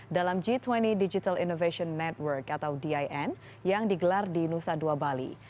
dalam g dua puluh digital innovation network atau din yang digelar di nusa dua bali